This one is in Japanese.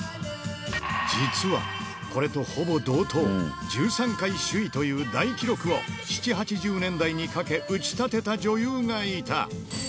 実は、これとほぼ同等、１３回首位という大記録を７、８０年代にかけ打ち立てた女優がいた。